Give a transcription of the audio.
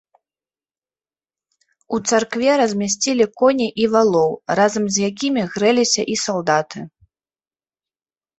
У царкве размясцілі коней і валоў, разам з якімі грэліся і салдаты.